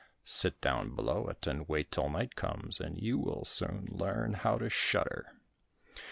Sit down below it, and wait till night comes, and you will soon learn how to shudder."